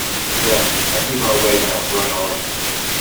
Yes, I see my way now, right on.